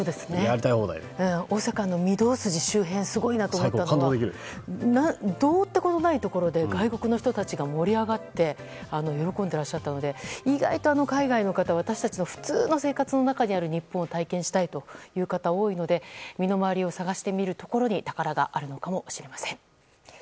大阪の御堂筋周辺すごいなと思ったのがどうってことないところで外国の人たちが盛り上がって喜んでいらっしゃったので意外と海外の方私たちの普通の生活の中にある日本を体験したいという方多いので身の周りを探してみることに宝があるのかもしれません。